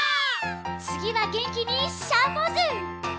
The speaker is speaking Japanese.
「つぎは元気にシャーポーズ！」